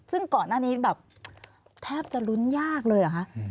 ซึ่งก่อนหน้านี้แบบแทบจะลุ้นยากเลยเหรอคะ